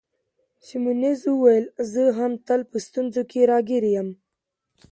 سیمونز وویل: زه هم تل په ستونزو کي راګیر یم.